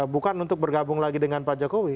bukan untuk bergabung lagi dengan pak jokowi